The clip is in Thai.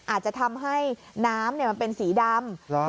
อาจจะทำให้น้ำมันเป็นสีดำ